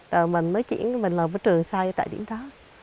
rồi mình mới chuyển mình làm với trường say tại điểm đó